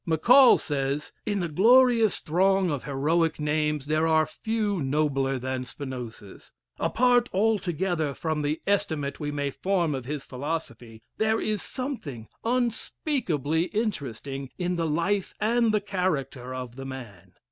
Maccall says, "In the glorious throng of heroic names, there are few nobler than Spinoza's. Apart altogether from the estimate we may form of his philosophy, there is something unspeakably interesting in the life and the character of the man.